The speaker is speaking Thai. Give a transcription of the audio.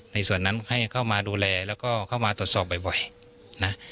ในส่วนนั้นให้เข้ามาดูแลและเข้ามาตรวจสอบให้ก่อน